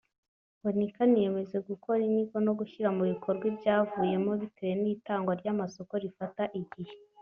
ngo ntikaniyemeza gukora inyigo no gushyira mu bikorwa ibyazivuyemo bitewe n’itangwa ry’amasoko rifata igihe